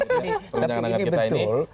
terus jangan dengar kita ini